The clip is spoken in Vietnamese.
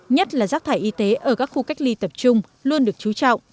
nhất là rác thải y tế ở các khu cách ly tập trung luôn được chú trọng